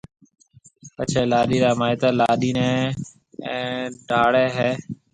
پڇيَ لاڏِي را مائيتر لاڏِي نيَ ڊاڙيَ ھيََََ